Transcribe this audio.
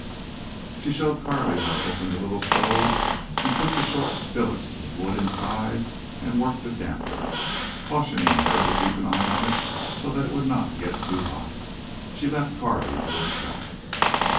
She showed Carley how to open the little stove and put the short billets of wood inside and work the damper; and cautioning her to keep an eye on it so that it would not get too hot, she left Carley to herself.